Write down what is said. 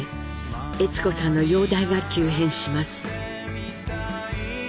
悦子さんの容体が急変します。